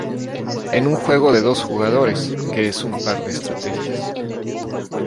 En un juego de dos jugadores, que es un par de estrategias.